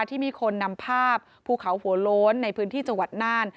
ที่มีคนนำภาพภูเขาหัวโล้นในพื้นที่จังหวัดน่าน